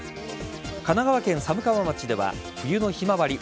神奈川県寒川町では冬のひまわり